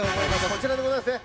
こちらでございますね。